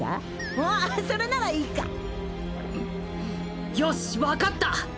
おっそれならいいかよしわかった！